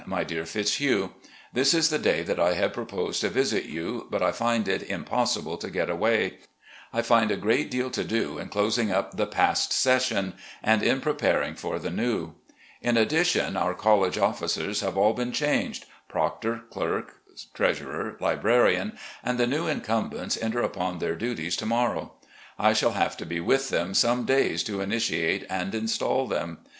My Dear Fitzhugh: This is the day that I had proposed to visit you, but I find it impossible to get away. I find a great deal to do in closing up the past session and in THE NEW HOME IN LEXINGTON 359 preparing for the new. In addition, our college officers have all been changed — proctor, clerk, treasurer, librarian — and the new incumbents enter upon their duties to morrow. I shall have to be with them some days to initiate and install them.